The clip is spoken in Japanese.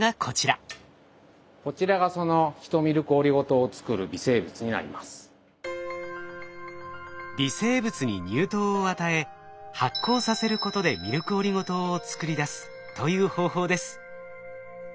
こちらが微生物に乳糖を与え発酵させることでミルクオリゴ糖を作り出すという方法です。